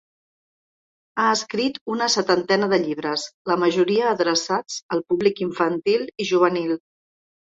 Ha escrit una setantena de llibres, la majoria adreçats al públic infantil i juvenil.